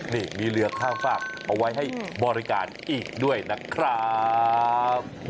นี่มีเรือข้ามฝากเอาไว้ให้บริการอีกด้วยนะครับ